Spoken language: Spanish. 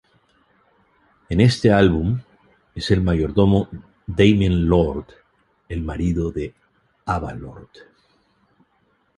En este álbum, es el mayordomo Damien Lord, el marido de Ava Lord.